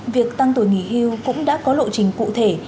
việc tăng tuổi nghỉ hưu cũng đã có lộ trình cụ thể